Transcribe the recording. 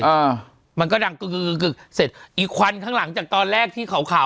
อ่ามันก็ดังกึกกึกกึกเสร็จอีกควันข้างหลังจากตอนแรกที่ขาวขาว